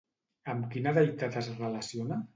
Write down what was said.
Amb quina deïtat es relaciona?